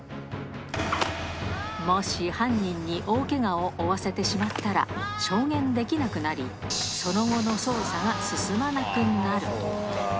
もし犯人に大けがを負わせてしまったら、証言できなくなり、その後の捜査が進まなくなる。